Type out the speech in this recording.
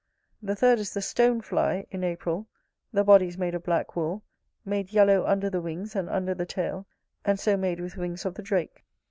The third is the stone fly, in April: the body is made of black wool; made yellow under the wings and under the tail, and so made with wings of the drake.